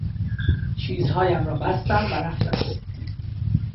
چیزهایم را بستم و رفتم.